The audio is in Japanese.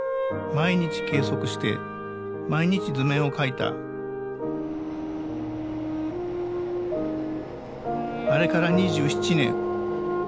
毎日計測して毎日図面を描いたあれから２７年